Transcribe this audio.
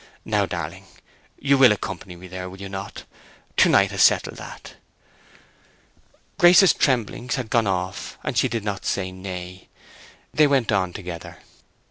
Now, darling, you will accompany me there—will you not? To night has settled that." Grace's tremblings had gone off, and she did not say nay. They went on together.